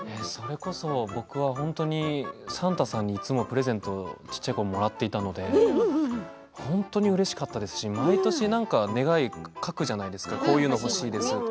僕は本当にサンタさんにプレゼントを小さいころもらっていたので本当にうれしかったですし毎年、願いを書くじゃないですかこういうのが欲しいですって。